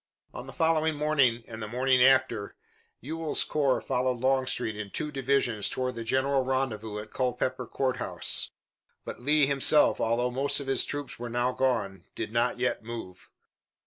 On the following morning and the morning after, Ewell's corps followed Longstreet in two divisions toward the general rendezvous at Culpeper Court House, but Lee himself, although most of his troops were now gone, did not yet move.